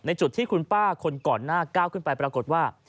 จุดที่คุณป้าคนก่อนหน้าก้าวขึ้นไปปรากฏว่า